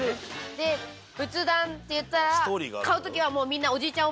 で仏壇っていったら買う時はもうみんなおじいちゃん